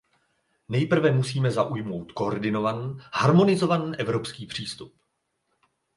Nejprve musíme zaujmout koordinovaný, harmonizovaný evropský přístup.